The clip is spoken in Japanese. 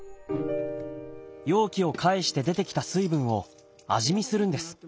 容器を返して出てきた水分を味見するんです。